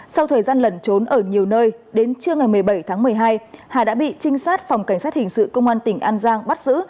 sau thời gian lẩn trốn ở nhiều nơi đến trưa ngày một mươi bảy tháng một mươi hai hà đã bị trinh sát phòng cảnh sát hình sự công an tỉnh an giang bắt giữ